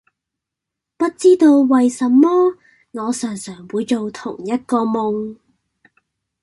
不知道為什麼，我常常會做同一個夢